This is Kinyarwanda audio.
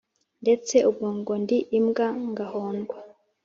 ndetse ubwongo ndi imbwa ngahondwa